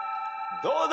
どうだ。